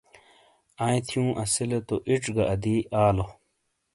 آئی تھیوں اسیلے تو ایڇ گہ آدی آلو۔